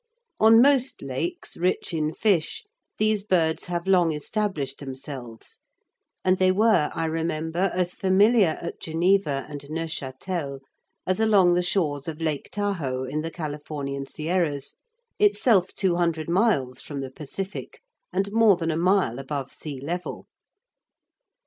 On most lakes rich in fish these birds have long established themselves, and they were, I remember, as familiar at Geneva and Neuchâtel as along the shores of Lake Tahoe in the Californian Sierras, itself two hundred miles from the Pacific and more than a mile above sea level.